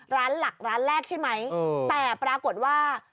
ร้านหลักร้านแรกใช่ไหมแต่ปรากฏว่า